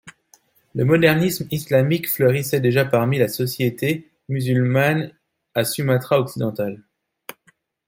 Le modernisme islamique fleurissait déjà parmi la sociétét musulmane à Sumatra occidental.